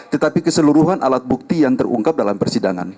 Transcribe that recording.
tetapi keseluruhan alat bukti yang terungkap dalam persidangan